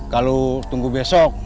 kalau tunggu besok